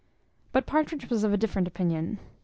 But Partridge was of a different opinion.